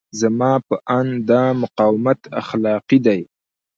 زما په اند دا مقاومت اخلاقي دی.